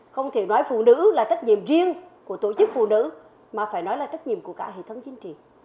không thể nói phụ nữ là trách nhiệm riêng của tổ chức phụ nữ mà phải nói là trách nhiệm của cả hệ thống chính trị